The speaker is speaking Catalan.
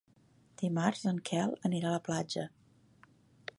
Dimarts en Quel anirà a la platja.